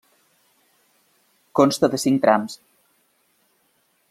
Consta de cinc trams.